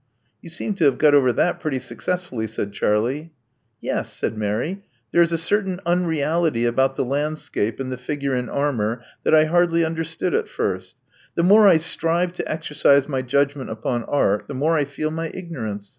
'*You seem to have got over that pretty success fully," said Charlie. Yes," said Mary. There is a qprtain unreality about the landscape and the figure ii|r armor that I hardly understood at first. The morS I^ strive to exercise my judgment upon art, the mor^ I feel my ignorance.